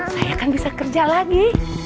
saya akan bisa kerja lagi